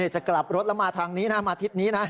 จะกลับรถแล้วมาทางนี้นะมาทิศนี้นะ